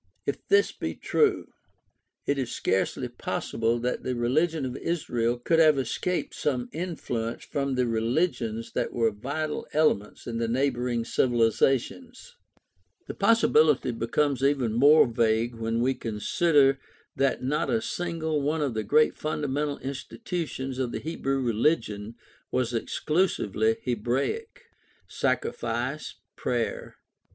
If this be true, it is scarcely possible that the religion of Israel could have escaped some influence from the religions that were vital elements in these neighboring civilizations. The possibility becomes even more vague when we consider that not a single one of the great fundamental institutions of the Hebrew religion was exclusively Hebraic. Sacrifice, prayer.